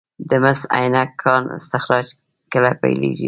د مس عینک کان استخراج کله پیلیږي؟